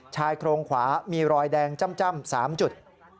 ชายโครงขวามีรอยแดงจ้ำ๓จุด